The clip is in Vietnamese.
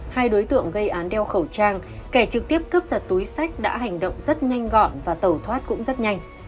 hai đối tượng gây án đeo khẩu trang kẻ trực tiếp cướp giật túi sách đã hành động rất nhanh gọn và tẩu thoát cũng rất nhanh